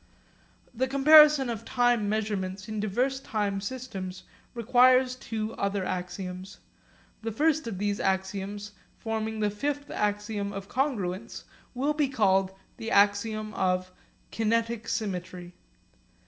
The comparison of time measurements in diverse time systems requires two other axioms. The first of these axioms, forming the fifth axiom of congruence, will be called the axiom of 'kinetic symmetry.'